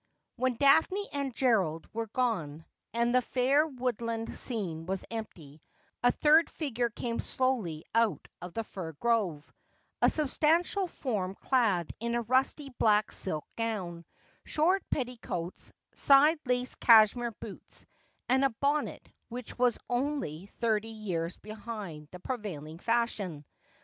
When Daphne and Gerald were gone, and the fair woodland scene was empty, a third figure came slowly out of the fir grove, a substantial form clad in a rusty black silk gown, short petti coats, side laced cashmere boots, and a bonnet which was only thirty years behind the prevailing fashion.